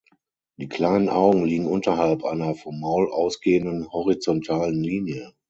Die kleinen Augen liegen unterhalb einer vom Maul ausgehenden horizontalen Linie.